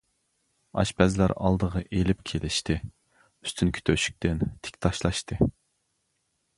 ئاشپەزلەر ئالدىغا ئېلىپ كېلىشتى، ئۈستۈنكى تۆشۈكتىن تىك تاشلاشتى.